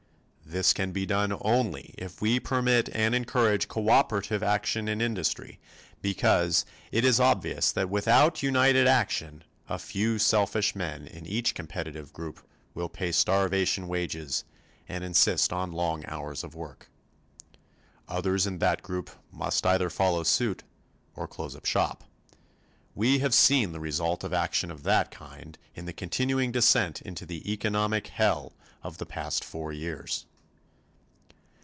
This can be done only if we permit and encourage cooperative action in industry because it is obvious that without united action a few selfish men in each competitive group will pay starvation wages and insist on long hours of work. Others in that group must either follow suit or close up shop. We have seen the result of action of that kind in the continuing descent into the economic Hell of the past four years.